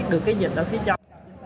được cái dịch ở phía trong